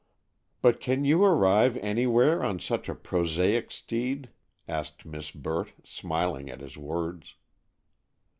"But can you arrive anywhere on such a prosaic steed?" asked Miss Burt, smiling at his words.